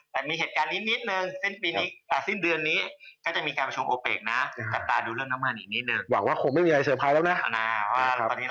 แต่มีเหตุการณ์นิดนึงเซ่นปีนี้